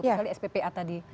misalnya sppa tadi